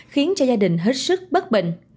khiến cho gia đình hết sức bất bệnh